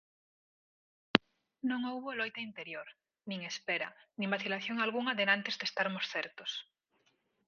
Non houbo loita interior, nin espera, nin vacilación algunha denantes de estarmos certos.